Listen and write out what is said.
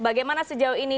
bagaimana sejauh ini